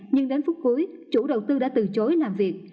nhưng đến phút cuối chủ đầu tư đã từ chối làm việc